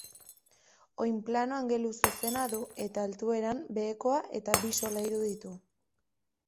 Oinplano angeluzuzena du eta, altueran, behekoa eta bi solairu ditu.